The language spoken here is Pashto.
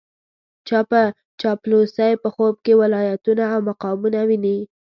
چې په چاپلوسۍ په خوب کې ولايتونه او مقامونه ويني.